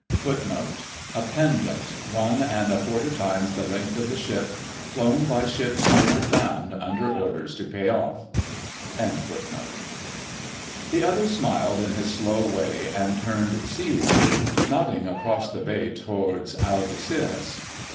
[#] A pendant, one and a quarter times the length of the ship, flown by ships homeward bound under orders to pay off. The other smiled in his slow way and turned seaward, nodding across the bay towards Algeciras.